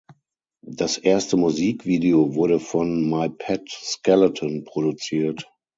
Das erste Musikvideo wurde von My Pet Skeleton produziert.